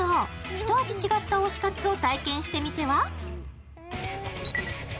ひと味違った推し活を体験してみては？